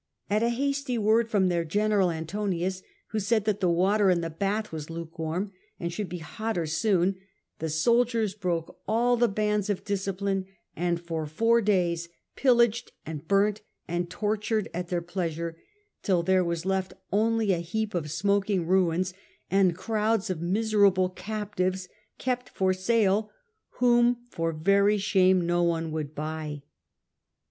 At a hasty word from their general Antonius, who said that the water in the bath was lukewarm and should be hotter soon, the soldiers broke all the bands of discipline, and for four days pillaged and burnt and tortured at their pleasure, till there was left only a heap of smoking ruins, and crowds of miserable captives kept for sale, whom for very shame no one would buy.